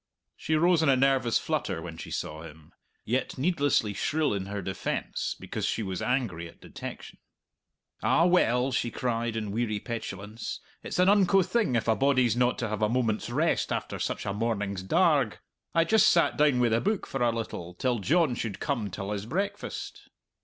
She rose in a nervous flutter when she saw him; yet needlessly shrill in her defence, because she was angry at detection. "Ah, well!" she cried, in weary petulance, "it's an unco thing if a body's not to have a moment's rest after such a morning's darg! I just sat down wi' the book for a little, till John should come till his breakfast!"